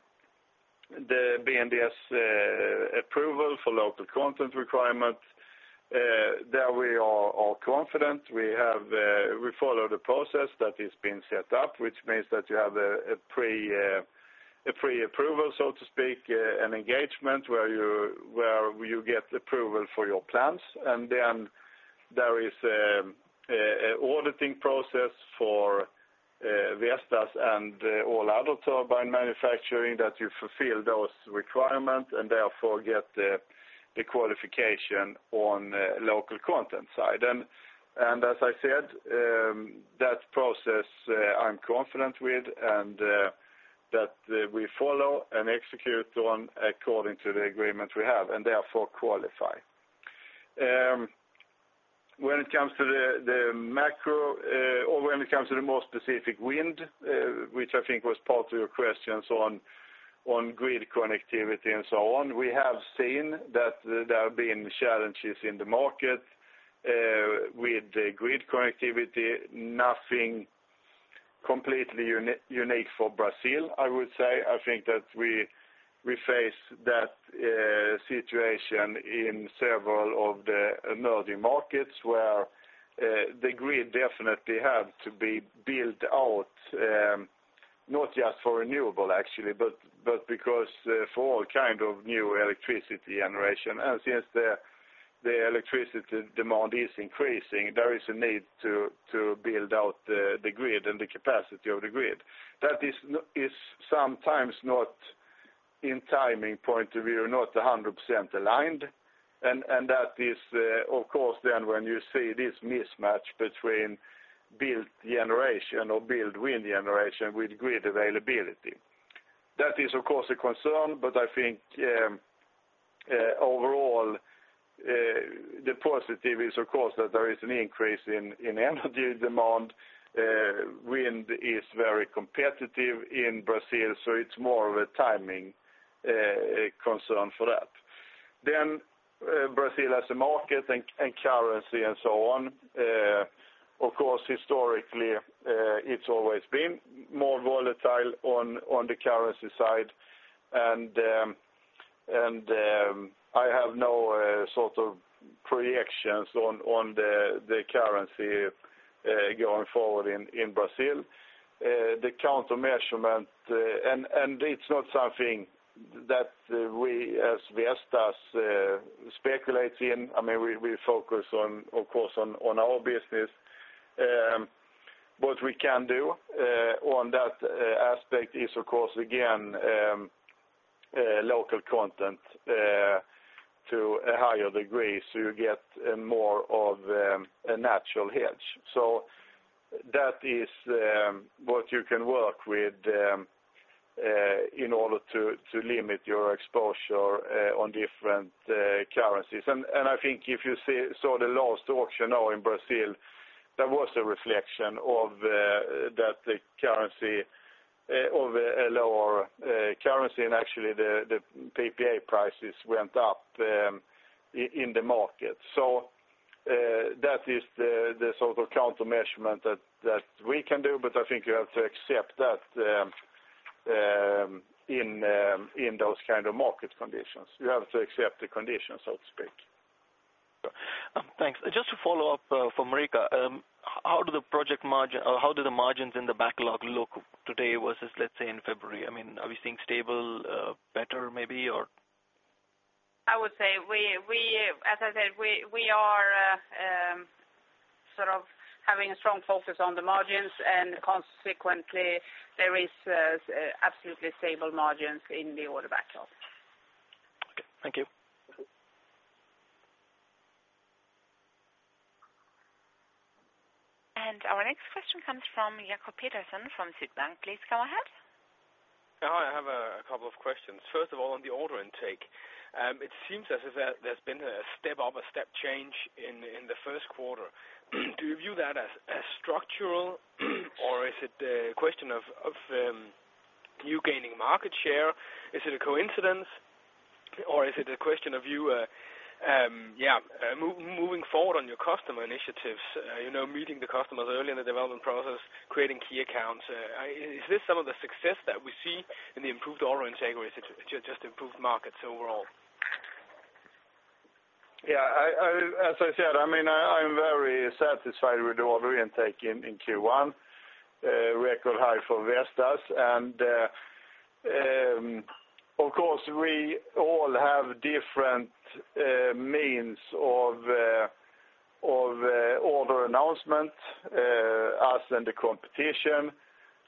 BNDES approval for local content requirements. There we are confident. We follow the process that has been set up, which means that you have a pre-approval, so to speak, an engagement where you get approval for your plans. Then there is an auditing process for Vestas and all other turbine manufacturing that you fulfill those requirements and therefore get the qualification on the local content side. As I said, that process I'm confident with and that we follow and execute on according to the agreement we have and therefore qualify. When it comes to the more specific wind, which I think was part of your questions on grid connectivity and so on, we have seen that there have been challenges in the market with the grid connectivity. Nothing completely unique for Brazil, I would say. I think that we face that situation in several of the emerging markets where the grid definitely had to be built out, not just for renewable actually, but because for all kind of new electricity generation. Since the electricity demand is increasing, there is a need to build out the grid and the capacity of the grid. That is sometimes not, in timing point of view, not 100% aligned, and that is, of course then when you see this mismatch between build generation or build wind generation with grid availability. That is, of course, a concern. I think overall, the positive is, of course, that there is an increase in energy demand. Wind is very competitive in Brazil. It's more of a timing concern for that. Brazil as a market and currency and so on. Of course, historically, it's always been more volatile on the currency side. I have no sort of predictions on the currency going forward in Brazil. The counter-measurement. It's not something that we, as Vestas, speculates in. We focus, of course, on our business. What we can do on that aspect is, of course, again local content to a higher degree, so you get more of a natural hedge. That is what you can work with in order to limit your exposure on different currencies. I think if you saw the last auction now in Brazil, that was a reflection of a lower currency and actually the PPA prices went up in the market. That is the sort of counter-measurement that we can do. I think you have to accept that in those kind of market conditions. You have to accept the conditions, so to speak. Thanks. Just to follow up for Marika, how do the margins in the backlog look today versus, let’s say, in February? Are we seeing stable, better maybe or? I would say, as I said, we are sort of having a strong focus on the margins. Consequently, there is absolutely stable margins in the order backlog. Okay. Thank you. Our next question comes from Jacob Pedersen from Sydbank. Please go ahead. Hi, I have a couple of questions. First of all, on the order intake, it seems as if there's been a step up, a step change in the first quarter. Do you view that as structural, or is it a question of you gaining market share? Is it a coincidence, or is it a question of you moving forward on your customer initiatives, meeting the customers early in the development process, creating key accounts? Is this some of the success that we see in the improved order intake, or is it just improved markets overall? Yeah. As I said, I'm very satisfied with the order intake in Q1, record high for Vestas. Of course, we all have different means of order announcement, us and the competition.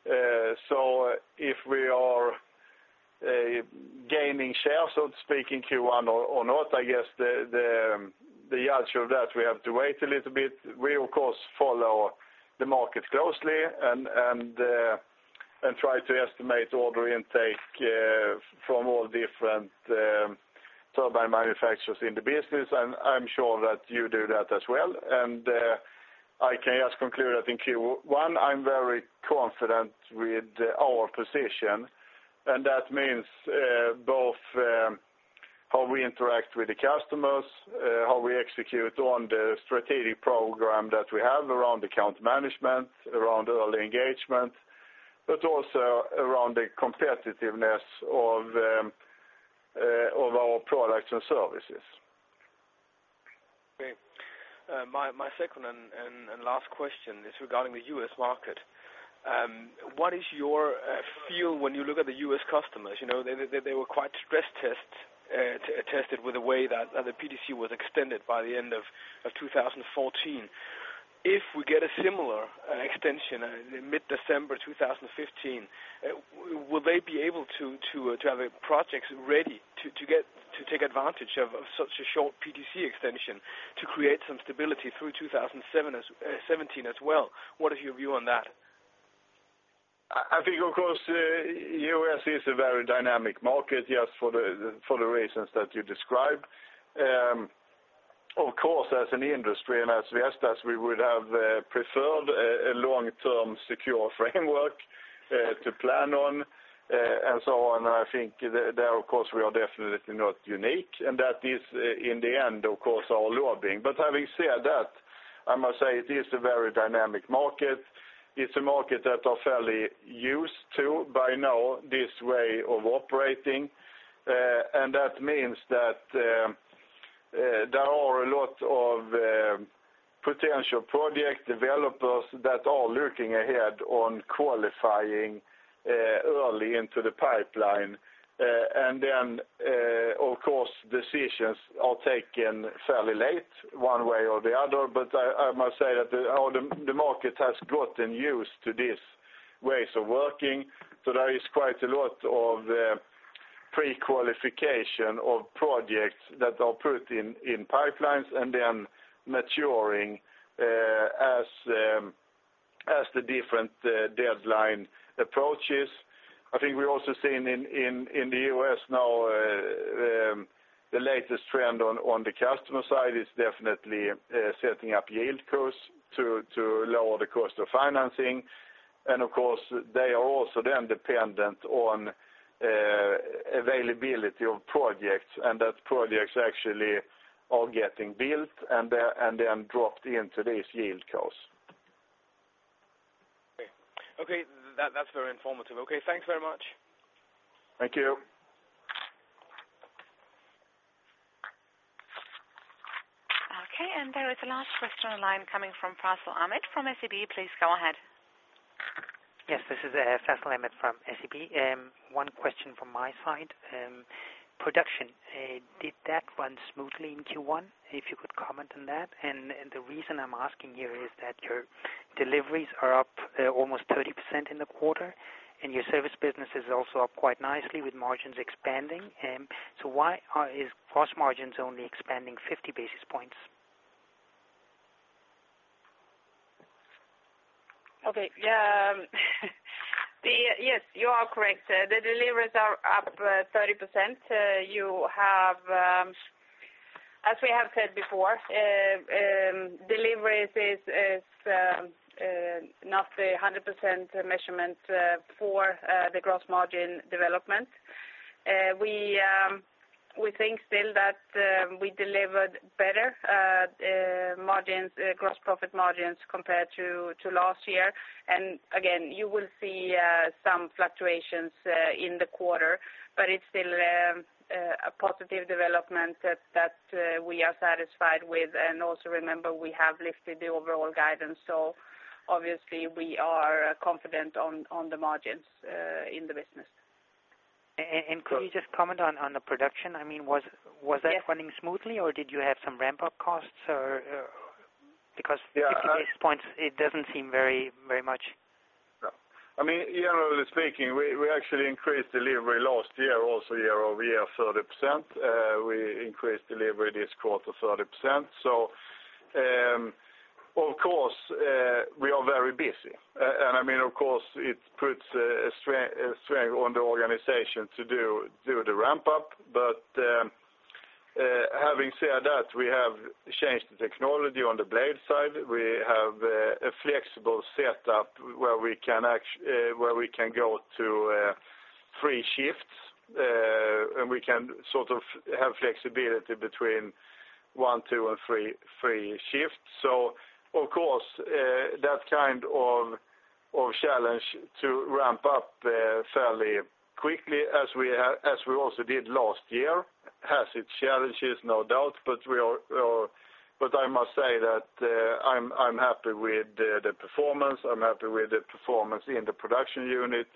If we are gaining share, so to speak, in Q1 or not, I guess the answer to that, we have to wait a little bit. We, of course, follow the market closely and try to estimate order intake from all different turbine manufacturers in the business, and I'm sure that you do that as well. I can just conclude, I think Q1, I'm very confident with our position, and that means both how we interact with the customers, how we execute on the strategic program that we have around account management, around early engagement, but also around the competitiveness of our products and services. Okay. My second and last question is regarding the U.S. market. What is your feel when you look at the U.S. customers? They were quite stress tested with the way that the PTC was extended by the end of 2014. If we get a similar extension in mid-December 2015, will they be able to have projects ready to take advantage of such a short PTC extension to create some stability through 2017 as well? What is your view on that? I think, of course, U.S. is a very dynamic market, just for the reasons that you described. Of course, as an industry and as Vestas, we would have preferred a long-term secure framework to plan on, and so on. I think there, of course, we are definitely not unique, and that is in the end, of course, our lobbying. Having said that, I must say it is a very dynamic market. It's a market that are fairly used to, by now, this way of operating. That means that there are a lot of potential project developers that are looking ahead on qualifying early into the pipeline. Then, of course, decisions are taken fairly late, one way or the other. I must say that the market has gotten used to these ways of working. There is quite a lot of pre-qualification of projects that are put in pipelines and then maturing as the different deadline approaches. I think we also see in the U.S. now, the latest trend on the customer side is definitely setting up yieldcos to lower the cost of financing. Of course, they are also then dependent on availability of projects, and that projects actually are getting built and then dropped into these yieldcos. Okay. That's very informative. Okay, thanks very much. Thank you. Okay, there is a last question on the line coming from Faisal Ahmed from SEB. Please go ahead. Yes, this is Faisal Ahmed from SEB. One question from my side. Production, did that run smoothly in Q1? If you could comment on that. The reason I am asking here is that your deliveries are up almost 30% in the quarter, and your service business is also up quite nicely with margins expanding. Why is gross margins only expanding 50 basis points? Okay. Yes, you are correct. The deliveries are up 30%. As we have said before, deliveries is not 100% measurement for the gross margin development. We think still that we delivered better margins, gross profit margins, compared to last year. Again, you will see some fluctuations in the quarter, but it is still a positive development that we are satisfied with. Also remember, we have lifted the overall guidance, obviously we are confident on the margins in the business. Could you just comment on the production? I mean, was that running smoothly or did you have some ramp-up costs or? Because 50 basis points, it does not seem very much. Yeah. I mean, generally speaking, we actually increased delivery last year also year-over-year 30%. We increased delivery this quarter 30%. Of course, we are very busy. Of course, it puts a strain on the organization to do the ramp-up. But having said that, we have changed the technology on the blade side. We have a flexible setup where we can go to three shifts, and we can sort of have flexibility between one, two, and three shifts. Of course, that kind of challenge to ramp up fairly quickly as we also did last year, has its challenges, no doubt. But I must say that I am happy with the performance. I am happy with the performance in the production unit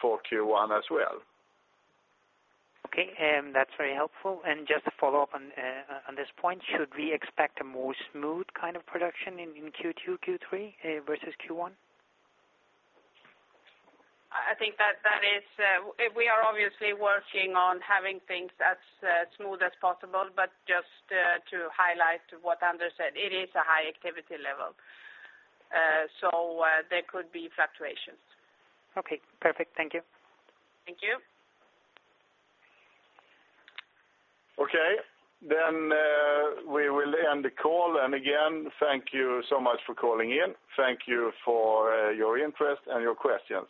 for Q1 as well. Okay, that's very helpful. Just to follow up on this point, should we expect a more smooth kind of production in Q2, Q3 versus Q1? I think that is, we are obviously working on having things as smooth as possible, but just to highlight what Anders said, it is a high activity level. There could be fluctuations. Okay, perfect. Thank you. Thank you. Okay, we will end the call. Again, thank you so much for calling in. Thank you for your interest and your questions.